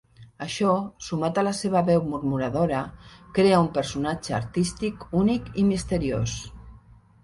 Això, sumat a la seva veu murmuradora, crea un personatge artístic únic i misteriós.